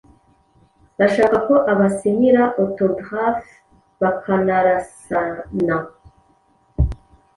bashaka ko abasinyira autographe bakanarasana